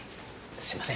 すいません